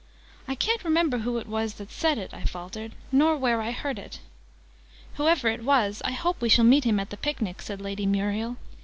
"I ca'n't remember who it was that said it!" I faltered. "Nor where I heard it!" "Whoever it was, I hope we shall meet him at the Picnic!" said Lady Muriel.